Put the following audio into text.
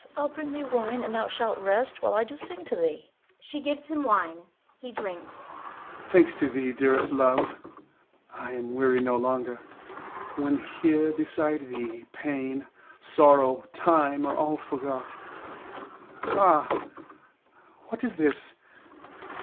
I'll bring thee wine, and thou shalt rest while I do sing to thee. [She gives him wine; he drinks.] Adel. Thanks to thee, dearest love, I am weary now no longer. When here beside thee, pain, sorrow, time are all forgot. Ah! what is this?